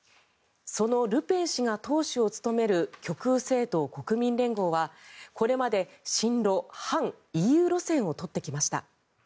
そのルペン氏が党首を務める極右政党・国民連合はこれまで、親ロ・反ＥＵ路線を取ってきました。